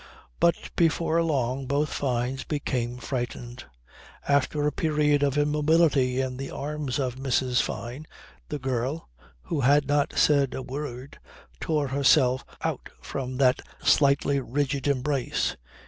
But before long both Fynes became frightened. After a period of immobility in the arms of Mrs. Fyne, the girl, who had not said a word, tore herself out from that slightly rigid embrace.